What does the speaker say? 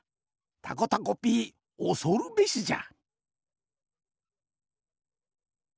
たこたこピーおそるべしじゃ。